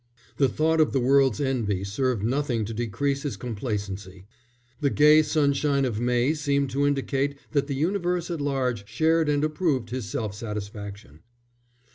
The thought of the world's envy served nothing to decrease his complacency. The gay sunshine of May seemed to indicate that the universe at large shared and approved his self satisfaction.